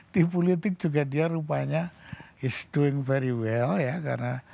di politik juga dia rupanya is doing very well ya karena